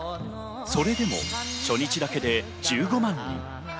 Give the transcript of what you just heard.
それでも初日だけで１５万人。